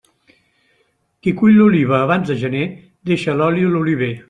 Qui cull l'oliva abans de gener, deixa l'oli a l'oliver.